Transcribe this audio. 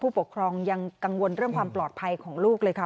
ปกครองยังกังวลเรื่องความปลอดภัยของลูกเลยค่ะ